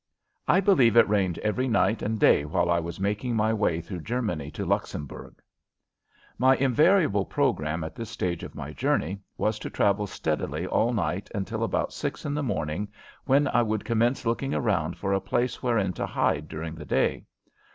I believe it rained every night and day while I was making my way through Germany to Luxembourg. My invariable program at this stage of my journey was to travel steadily all night until about six in the morning, when I would commence looking around for a place wherein to hide during the day.